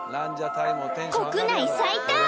国内最多！